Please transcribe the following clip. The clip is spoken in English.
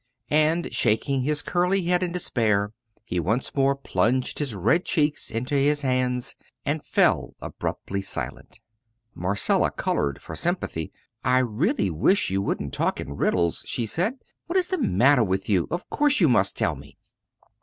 And shaking his curly head in despair, he once more plunged his red cheeks into his hands and fell abruptly silent. Marcella coloured for sympathy. "I really wish you wouldn't talk in riddles," she said. "What is the matter with you? of course you must tell me."